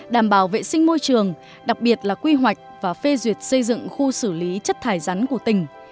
đảm bảo vệ sinh môi trường đặc biệt là quy hoạch và phê duyệt xây dựng khu xử lý chất thải rắn của tỉnh